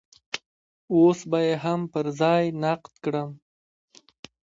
اوس به يې هم پر ځای نقد کړم.